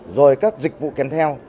rồi các dịch vụ kèm theo